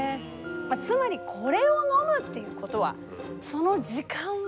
つまりこれを飲むっていうことはその時間も飲む。